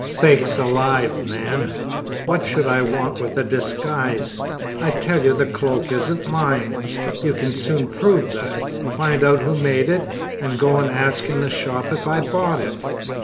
"Sakes alive, man, what should I want with a disguise? I tell you the cloak isn't mine. You can soon prove that. Find out who made it, and go and ask in the shop if I bought it."